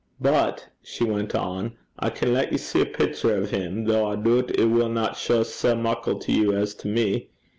'But,' she went on, 'I can lat ye see a pictur' o' 'im, though I doobt it winna shaw sae muckle to you as to me.